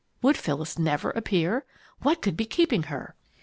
Would Phyllis never appear? What could be keeping her?